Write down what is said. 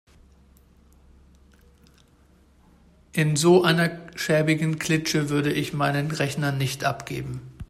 In so einer schäbigen Klitsche würde ich meinen Rechner nicht abgeben.